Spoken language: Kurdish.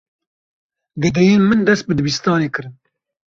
Gedeyên min dest bi dibistanê kirin.